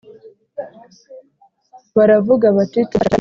Baravuga bati turacyashakira iki